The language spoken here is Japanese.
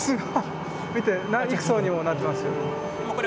見てなん幾層にもなってますよ。